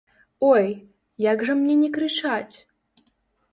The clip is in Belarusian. Ой, як жа мне не крычаць?